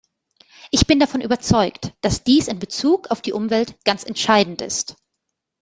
Ich bin davon überzeugt, dass dies in bezug auf die Umwelt ganz entscheidend ist.